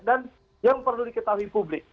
dan yang perlu diketahui publik